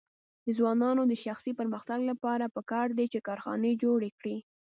د ځوانانو د شخصي پرمختګ لپاره پکار ده چې کارخانې جوړې کړي.